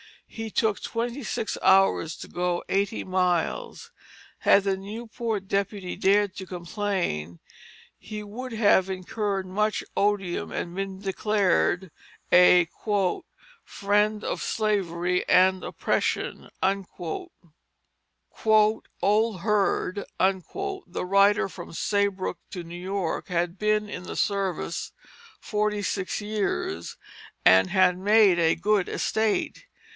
He took twenty six hours to go eighty miles. Had the Newport deputy dared to complain, he would have incurred much odium and been declared a "friend of slavery and oppression." "Old Herd," the rider from Saybrook to New York, had been in the service forty six years and had made a good estate.